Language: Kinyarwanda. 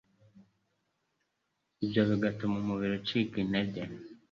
ibyo bigatuma umubiri ucika intege.